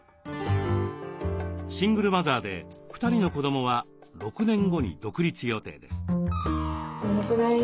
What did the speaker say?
シングルマザーで２人の子どもは６年後に独立予定です。